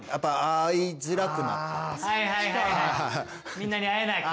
みんなに会えない。